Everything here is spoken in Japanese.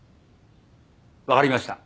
分かりました。